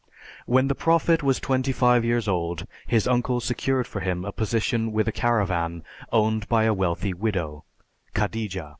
When the prophet was twenty five years old, his uncle secured for him a position with a caravan owned by a wealthy widow, Khadija.